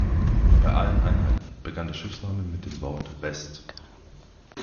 Bei allen Einheiten begann der Schiffsname mit dem Wort "West".